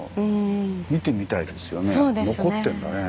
残ってんだね。